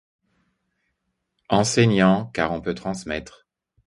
enseignant car on peut transmettre